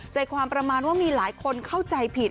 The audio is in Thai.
ใจความประมาณว่ามีหลายคนเข้าใจผิด